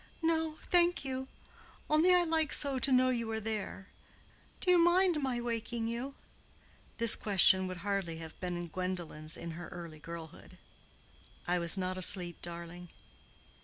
"No, thank you; only I like so to know you are there. Do you mind my waking you?" (This question would hardly have been Gwendolen's in her early girlhood.) "I was not asleep, darling."